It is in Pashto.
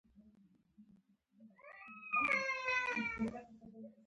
احمد په هره موضوع کې د خلکو ترمنځ ډېره سمه لاره کوي.